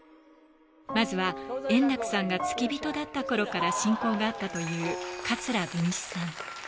まずは、円楽さんが付き人だったころから親交があったという桂文枝さん。